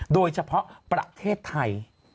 โดยเฉพาะประเทศไทย